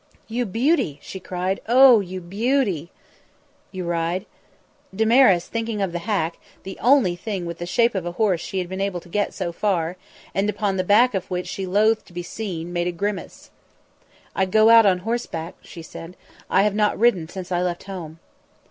"You beauty!" she cried. "Oh, you beauty!" "You ride?" Damaris, thinking of the hack, the only thing with the shape of a horse she had been able to get so far, and upon the back of which she loathed to be seen, made a grimace. "I go out on horseback," she said. "I have not ridden since I left home."